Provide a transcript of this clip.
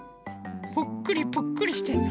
ぷっくりぷっくりしてるの。